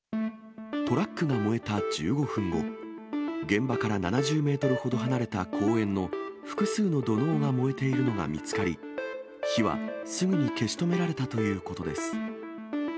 トラックが燃えた１５分後、現場から７０メートルほど離れた公園の複数の土のうが燃えているのが見つかり、火はすぐに消し止められたということです。